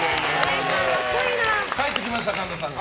帰ってきました、神田さんが。